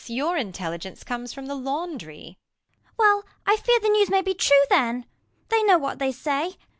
Your intelligence comes from the laundry. Viol. Well ! I fear the news may be too true, then ; They know what they say.